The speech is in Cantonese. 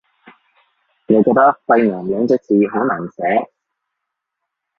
我覺得肺癌兩隻字好難寫